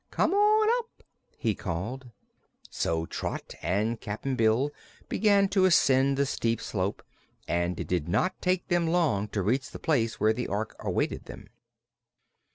"Come on up!" he called. So Trot and Cap'n Bill began to ascend the steep slope and it did not take them long to reach the place where the Ork awaited them.